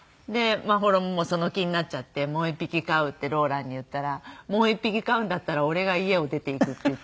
眞秀もその気になっちゃって「もう一匹飼う」ってローランに言ったら「もう一匹飼うんだったら俺が家を出ていく」って言って。